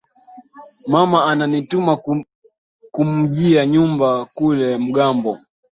Mama anani tuma kumujia nyumba kule ngambo